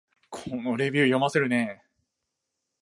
このレビュー、読ませるね